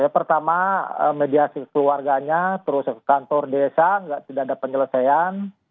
pertama mediasi keluarganya terus kantor desa tidak ada penyelesaian